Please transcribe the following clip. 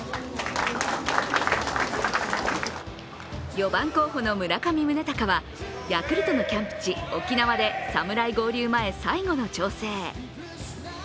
４番候補の村上宗隆はヤクルトのキャンプ地・沖縄で侍合流前、最後の調整。